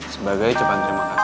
sebagai ucapan terima kasih